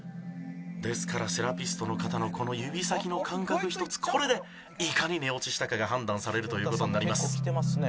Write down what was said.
ですからセラピストの方のこの指先の感覚一つこれでいかに寝落ちしたかが判断されるという事になります。